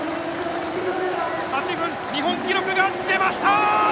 日本記録が出ました！